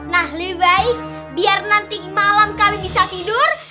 nah lebih baik biar nanti malam kami bisa tidur